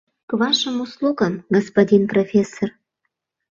К вашим услугам, господин профессор.